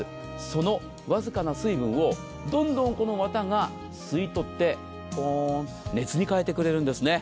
そのわずかな水分をどんどんわたが吸い取って熱に変えてくれるんです。